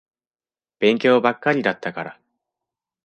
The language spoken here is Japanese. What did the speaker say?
勉強ばっかりだったから。